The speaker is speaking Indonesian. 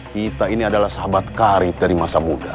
kita ini adalah sahabat karib dari masa muda